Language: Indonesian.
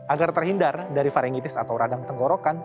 agar terhindar dari varingitis atau radang tenggorokan